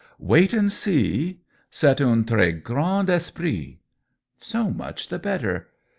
"Wait and see! C^est un trh grand esprit P " So much the better